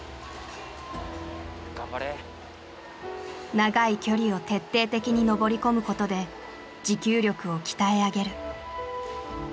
長い距離を徹底的に登り込むことで持久力を鍛え上げる。